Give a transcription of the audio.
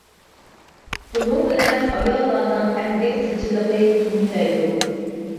بۇنىڭ بىلەن ئاياللارنىڭ ئەمگەك سىجىللىقى يېنىكلەيدۇ.